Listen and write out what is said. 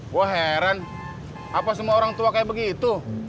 gue heran apa semua orang tua kayak begitu